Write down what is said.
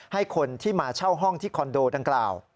ให้คนที่มาเช่าห้องที่คอนโดดังกล่าว